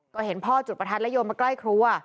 ก็เห็นพ่อจุดประทัดแล้วโยนมาใกล้ครัว